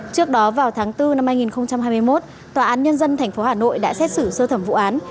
trước đó vào tháng bốn năm hai nghìn hai mươi một tòa án nhân dân tp hà nội đã xét xử sơ thẩm vụ án